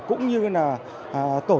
cũng như là tổ quốc